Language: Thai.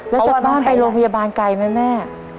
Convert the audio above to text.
แล้วจากบ้านไปโรงพยาบาลไกลไหมแม่